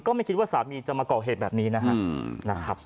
ไม่คิดว่าสามีจะมาก่อเหตุแบบนี้นะครับ